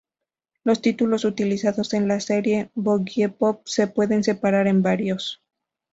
Los títulos utilizados en la serie "Boogiepop" se pueden separar en varios.